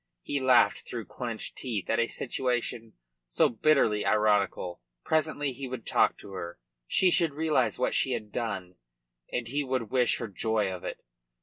He laughed through clenched teeth at a situation so bitterly ironical. Presently he would talk to her. She should realise what she had done, and he would wish her joy of it.